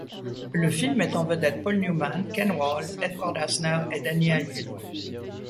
Le film met en vedette Paul Newman, Ken Wahl, Edward Asner et Danny Aiello.